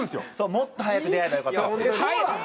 もっと早く出会えばよかったって。